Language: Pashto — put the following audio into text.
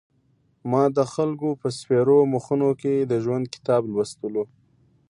ما د خلکو په سپېرو مخونو کې د ژوند کتاب لوستلو.